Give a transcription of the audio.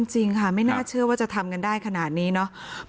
จริงค่ะไม่น่าเชื่อว่าจะทำกันได้ขนาดนี้เนาะ